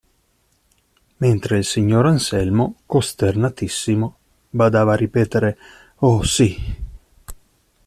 Mentre il signor Anselmo, costernatissimo, badava a ripetere: "Oh, sì".